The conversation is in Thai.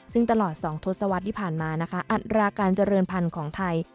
ซึ่งตลอด๒ทศวรรษที่ผ่านมานะคะอัตราการเจริญพันธุ์ของไทย